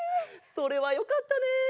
それはよかったね。